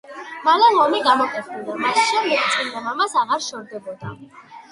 მალე ლომი გამოკეთდა და მას შემდეგ წმინდა მამას აღარ შორდებოდა.